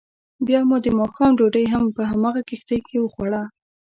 بیا مو دماښام ډوډۍ هم په همغه کښتۍ کې وخوړه.